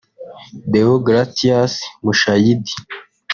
Déogratias Mushayidi